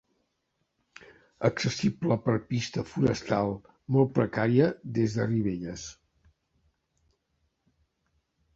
Accessible per pista forestal molt precària des de Ribelles.